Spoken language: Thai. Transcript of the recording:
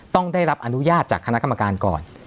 ต้องได้รับอนุญาตจากคณะกรรมการก่อน